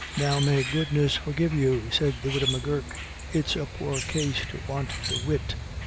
"Now may goodness forgive you," said the widow M'Gurk, " it's a poor case to want the wit.